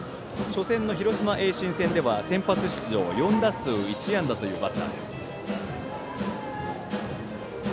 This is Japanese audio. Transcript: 初戦の広島・盈進戦では先発出場、４打数１安打というバッターです。